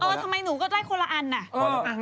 ทำไมให้ฉันนาน